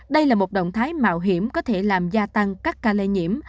đây là một động thái mạo hiểm có thể làm gia tăng các ca lây nhiễm